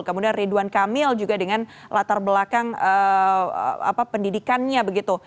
kemudian ridwan kamil juga dengan latar belakang pendidikannya begitu